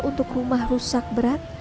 untuk rumah rusak berat